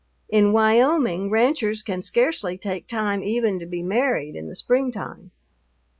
In Wyoming ranchers can scarcely take time even to be married in the springtime.